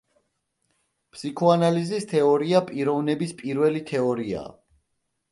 ფსიქოანალიზის თეორია პიროვნების პირველი თეორიაა.